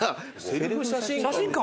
セルフ写真館？